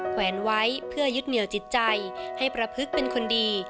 แวนไว้เพื่อยึดเหนียวจิตใจให้ประพฤกษ์เป็นคนดี